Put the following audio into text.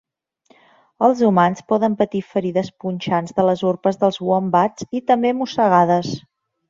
Els humans poden patir ferides punxants de les urpes dels uombats i també mossegades.